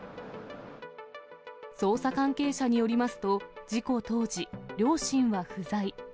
捜査関係者によりますと、事故当時、両親は不在。